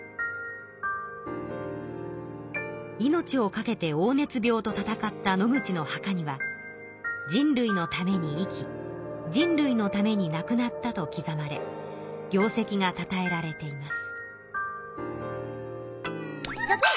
命をかけて黄熱病とたたかった野口の墓には「人類のために生き人類のためになくなった」ときざまれ業績がたたえられています。